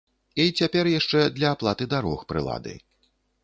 І цяпер яшчэ для аплаты дарог прылады.